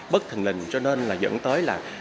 bất thình lình cho nên là dẫn tới là